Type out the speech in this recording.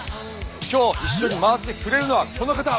今日一緒に回ってくれるのはこの方。